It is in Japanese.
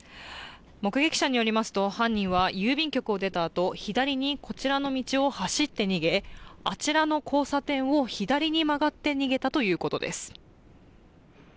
目撃者によりますと、犯人は郵便局を出たあと左にこちらの道を走って逃げ、あちらの交差点を左に曲がって逃げたということです。